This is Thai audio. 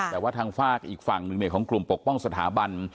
แต่ว่าทางฝากอีกฝั่งหนึ่งของกลุ่มปกป้องสถาบัน